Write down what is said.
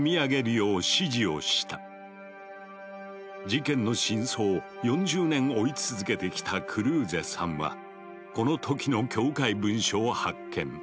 事件の真相を４０年追い続けてきたクルーゼさんはこの時の教会文書を発見。